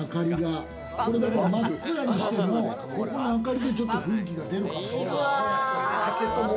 真っ暗にしても、ここの明かりでちょっと雰囲気が出るかもしらん。